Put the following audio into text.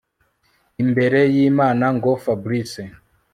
imbere yImana ngo Fabric